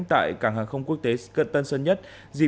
tại cảng hàng không quốc tế tân sơn nhất